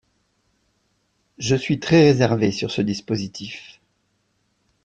Je suis très réservée sur ce dispositif.